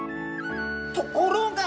ところが！